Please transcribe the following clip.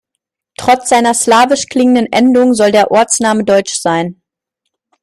Trotz seiner slawisch klingenden Endung, soll der Ortsname deutsch sein.